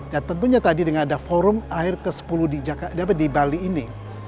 dan tentunya tadi dengan ada forum air ke sepuluh di jakarta di bali ini